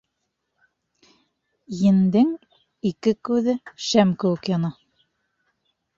Ендең ике күҙе шәм кеүек яна.